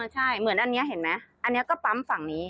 ใช่เหมือนอันนี้เห็นไหมอันนี้ก็ปั๊มฝั่งนี้